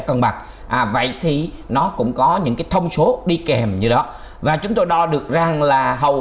cần mặt vậy thì nó cũng có những cái thông số đi kèm như đó và chúng tôi đo được rằng là hầu